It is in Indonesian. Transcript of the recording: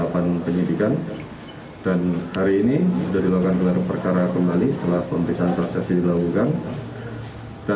pemeriksaan pemerintah jember terima kasih